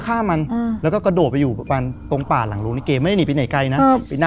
ฆ่าคนดูเนี่ยนะ